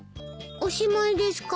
おしまいですか？